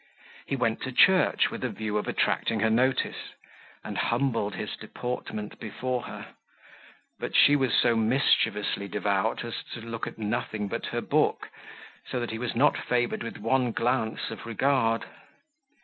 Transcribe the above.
He went to church with a view of attracting her notice, and humbled his deportment before her; but she was so mischievously devout as to look at nothing but her book, so that he was not favoured with one glance of regard.